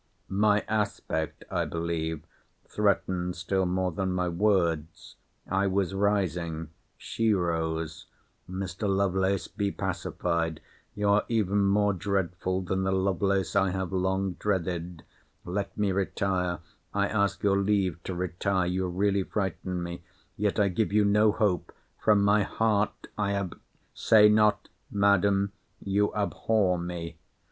My aspect, I believe, threatened still more than my words. I was rising—She rose—Mr. Lovelace, be pacified—you are even more dreadful than the Lovelace I have long dreaded—let me retire—I ask your leave to retire—you really frighten me—yet I give you no hope—from my heart I ab—— Say not, Madam, you abhor me.